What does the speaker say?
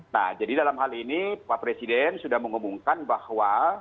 nah jadi dalam hal ini pak presiden sudah mengumumkan bahwa